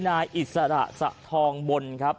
นายอิสระสะทองบนครับ